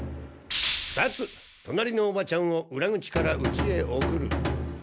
２つ隣のおばちゃんを裏口からうちへ送る。